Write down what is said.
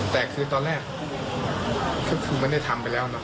แต่คือตอนแรกก็คือไม่ได้ทำไปแล้วหรอก